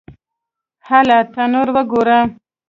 _هله! تنور وګوره!